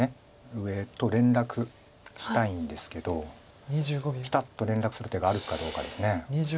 上と連絡したいんですけどぴたっと連絡する手があるかどうかです。